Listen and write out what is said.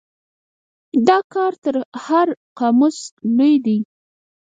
دا کار تر هر قاموس لوی دی.